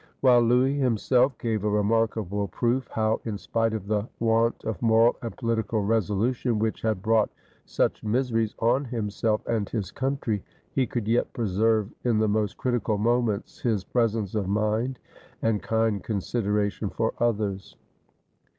While Louis himself gave a remarkable proof how, in spite of the want of moral and political resolution which had brought such miseries on himself and his country, he could yet preserve in the most critical moments his presence of mind and kind consideration for others.